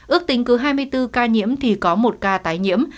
ước tính cứ hai mươi bốn ca nhiễm thì có một ca tái nhiễm